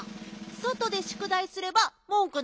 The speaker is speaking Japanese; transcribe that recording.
そとでしゅくだいすればもんくないでしょ？